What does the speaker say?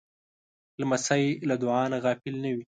لمسی له دعا نه غافل نه وي.